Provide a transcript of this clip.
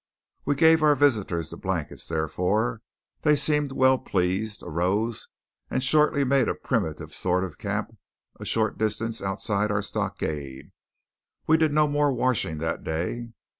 We gave our visitors the blankets, therefore. They seemed well pleased, arose, and shortly made a primitive sort of a camp a short distance outside our stockade. We did no more washing that day.